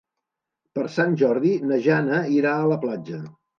Per Sant Jordi na Jana irà a la platja.